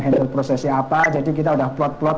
berproses siapa jadi kita udah plot plot